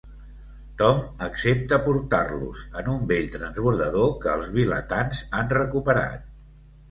Tom accepta portar-los, en un vell transbordador que els vilatans han recuperat.